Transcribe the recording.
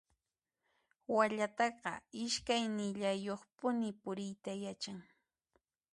Wallataqa iskaynillayuqpuni puriyta yachan.